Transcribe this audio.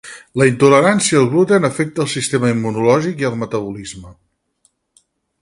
La intolerància al gluten afecta el sistema immunològic i al metabolisme.